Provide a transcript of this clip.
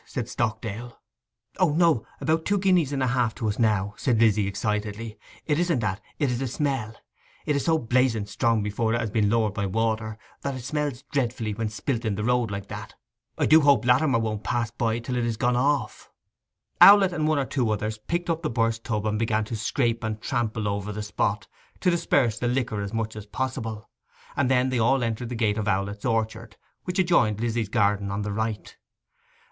said Stockdale. 'O no—about two guineas and half to us now,' said Lizzy excitedly. 'It isn't that—it is the smell! It is so blazing strong before it has been lowered by water, that it smells dreadfully when spilt in the road like that! I do hope Latimer won't pass by till it is gone off.' Owlett and one or two others picked up the burst tub and began to scrape and trample over the spot, to disperse the liquor as much as possible; and then they all entered the gate of Owlett's orchard, which adjoined Lizzy's garden on the right.